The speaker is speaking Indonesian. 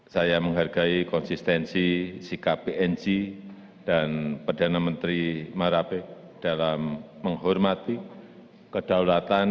saya menghargai konsistensi sikap png dan perdana menteri marape dalam menghormati kedaulatan